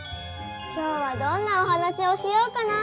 今日はどんなおはなしをしようかな。